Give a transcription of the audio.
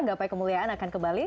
gapai kemuliaan akan kembali